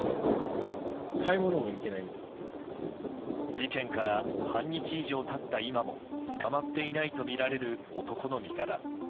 事件から半日以上経った今も捕まっていないとみられる男の身柄。